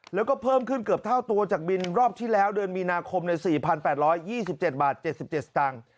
แล้วก็เพิ่มขึ้นเกือบเท่าตัวจากบินรอบที่แล้วเดือนมีนาคมใน๔๘๒๗บาท๗๗สตางค์